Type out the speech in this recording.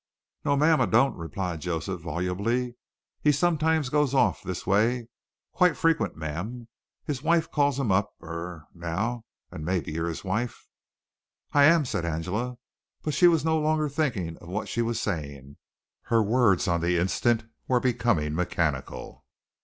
"No'm, I don't," replied Joseph volubly. "He sometimes goes off this way quite frequent, ma'am. His wife calls him up er now, maybe you're his wife." "I am," said Angela; but she was no longer thinking of what she was saying, her words on the instant were becoming mechanical.